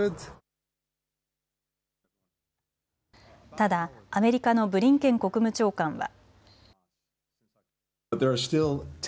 ただアメリカのブリンケン国務長官は。